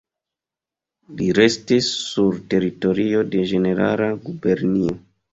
Li restis sur teritorio de Ĝenerala Gubernio.